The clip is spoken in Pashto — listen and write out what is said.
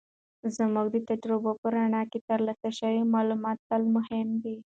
زموږ د تجربو په رڼا کې، ترلاسه شوي معلومات تل مهم دي.